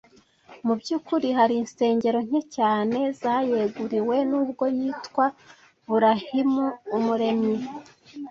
Mu by’ukuri hari insengero nke cyane zayeguriwe nubwo yitwa Burahima Umuremyi